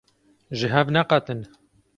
Ji hev neqetin!